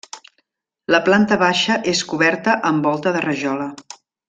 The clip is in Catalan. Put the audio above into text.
La planta baixa és coberta amb volta de rajola.